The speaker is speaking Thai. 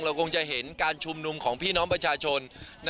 คงจะเห็นการชุมนุมของพี่น้องประชาชน